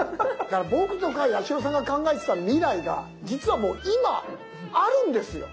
僕とか八代さんが考えてた未来が実はもう今あるんですよ。